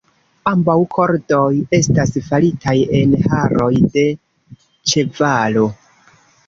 Ambaŭ kordoj estas faritaj en haroj de ĉevalo.